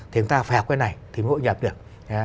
thì chúng ta phải học cái này thì mới hội nhập được